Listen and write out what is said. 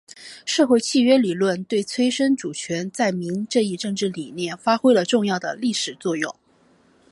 社会契约理论对催生主权在民这一政治理念发挥了重要的历史作用。